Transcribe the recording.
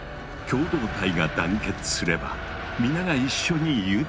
共同体が団結すれば皆が一緒に豊かになれる。